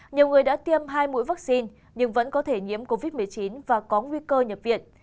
nhiều người đã tiêm hai mũi vaccine nhưng vẫn có thể nhiễm covid một mươi chín và có nguy cơ nhập viện